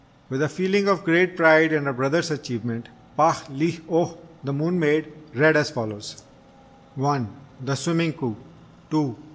With a feeling of great pride in her brother's achievement, Pah hlee oh, the Moon maid, read as follows: 1. The Swimming Coup 2.